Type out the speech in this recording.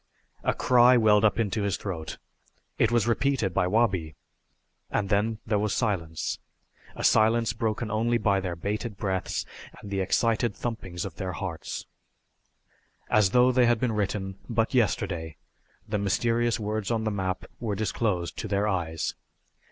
A cry welled up into his throat. It was repeated by Wabi. And then there was silence a silence broken only by their bated breaths and the excited thumpings of their hearts. As though they had been written but yesterday, the mysterious words on the map were disclosed to their eyes.